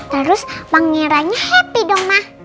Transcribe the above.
terus pangerannya happy dong mas